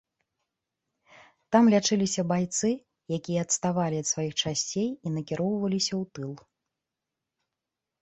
Там лячыліся байцы, якія адставалі ад сваіх часцей і накіроўваліся ў тыл.